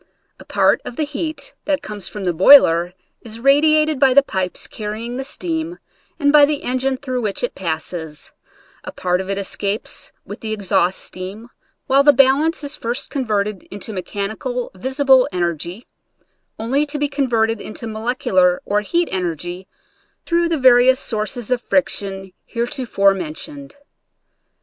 A part of the heat that comes from the boiler is radiated by the pipes carrying the steam and by the engine through which it passes, a part of it escapes with the exhaust steam, while the balance is first converted into mechanical visible en ergy only to be converted into molecular or heat energy through the various sources of friction heretofore mentioned.